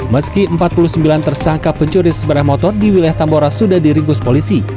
meski empat puluh sembilan tersangka pencuri sepeda motor di wilayah tambora sudah diringkus polisi